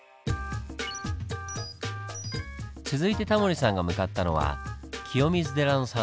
続いてタモリさんが向かったのは清水寺の参道。